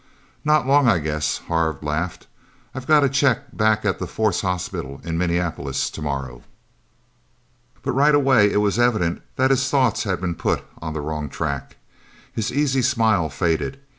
"Not long, I guess," Harv laughed. "I've got to check back at the Force Hospital in Minneapolis tomorrow..." But right away it was evident that his thoughts had been put on the wrong track. His easy smile faded.